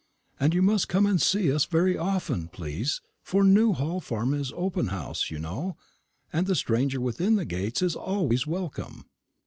And you must come and see us very often, please, for Newhall farm is open house, you know, and the stranger within the gates is always welcome."